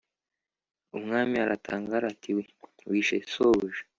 umwami aratangara ati"wishe sobuja?"